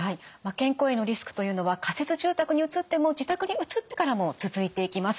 健康へのリスクというのは仮設住宅に移っても自宅に移ってからも続いていきます。